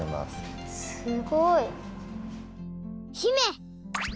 すごい！姫！